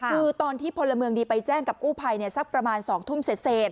คือตอนที่พลเมืองดีไปแจ้งกับกู้ภัยสักประมาณ๒ทุ่มเสร็จ